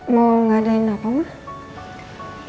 mau ngadain apa mah